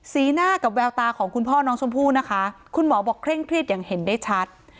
หน้ากับแววตาของคุณพ่อน้องชมพู่นะคะคุณหมอบอกเคร่งเครียดอย่างเห็นได้ชัด